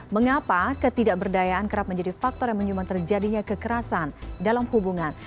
mengapa ketidakberdayaan kerap menjadi faktor yang menyumbang terjadinya kekerasan dalam hubungan